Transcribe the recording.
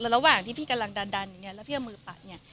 ระหว่างที่พี่กำลังดันอย่างนี้แล้วพี่เอามือปัดเนี่ย